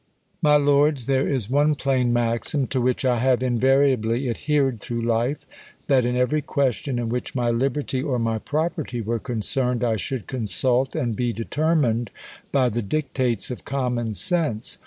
My Lords, THERE is one plain maxim, to which 1 have in variably adhered through life ; that in every question in which my liberty or my property wore concerned, I should consult and be determined by tae dictates of common sense.